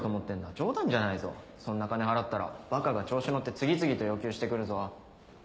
冗談じゃないぞそんな金払ったらばかが調子乗って次々と要求して来るぞ。